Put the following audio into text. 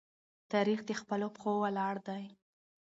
تاریخ د خپلو پښو ولاړ دی.